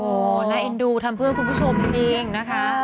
โอ้โหน่าเอ็นดูทำเพื่อคุณผู้ชมจริงนะคะ